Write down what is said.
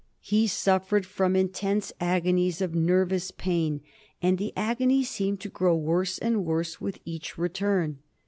He suffered from intense agonies of nervous pain, and the agonies seemed to grow worse and worse with each return.